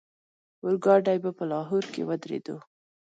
اورګاډی به په لاهور کې ودرېدو.